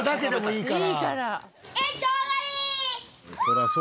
いいから。